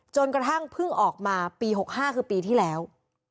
จนกระทั่งเพิ่งออกมาปี๖๕คือปีที่แล้ว